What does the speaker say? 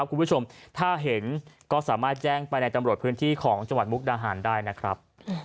คุณผู้ชมถ้าเห็นก็สามารถแจ้งไปในตำรวจพื้นที่ของจังหวัดมุกดาหารได้นะครับ